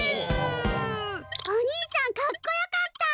お兄ちゃんかっこよかった。